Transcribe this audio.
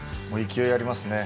勢いありますね。